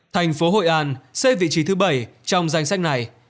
thành phố hội an xếp vị trí thứ bảy trong danh sách này